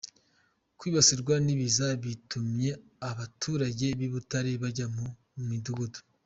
Kwibasirwa n’ibiza bitumye abaturage b’i Butare bajya mu midugudu